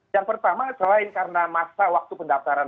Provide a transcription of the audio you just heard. yang pertama selain karena masa waktu pendaftaran